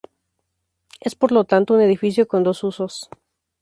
Es por lo tanto un edificio con dos usos.